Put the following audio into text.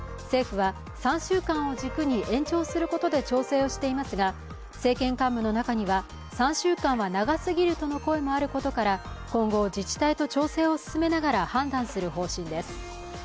政府は３週間を軸に延長することで調整をしていますが政権幹部の中には３週間は長すぎるとの声もあることから今後、自治体と調整を進めながら判断する方針です。